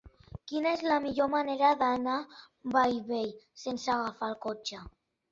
Quina és la millor manera d'anar a Bellvei sense agafar el cotxe?